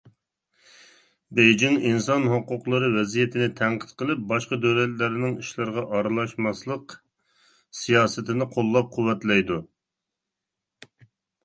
بېيجىڭ ئىنسان ھوقۇقلىرى ۋەزىيىتىنى تەنقىد قىلىپ ، باشقا دۆلەتلەرنىڭ ئىشلىرىغا ئارىلاشماسلىق سىياسىتىنى قوللاپ -قۇۋۋەتلەيدۇ.